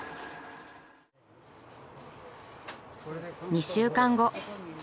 ２週間後。